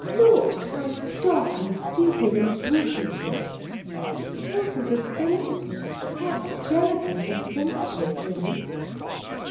Look how stock and stupid and brutal it is. Horses are sensitive, quite delicate and sensitive, really."